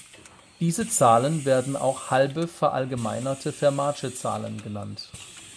Diese Zahlen werden auch halbe verallgemeinerte Fermatsche Zahlen genannt.